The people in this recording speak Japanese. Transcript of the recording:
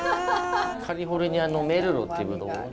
カリフォルニアのメルローってぶどう。